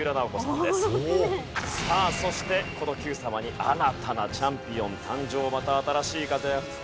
さあそしてこの『Ｑさま！！』に新たなチャンピオン誕生また新しい風が吹くか？